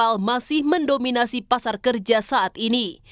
pasar masih mendominasi pasar kerja saat ini